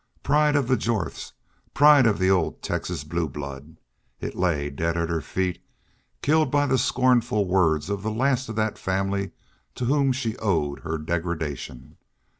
Pride of the Jorths! Pride of the old Texan blue blood! It lay dead at her feet, killed by the scornful words of the last of that family to whom she owed her degradation.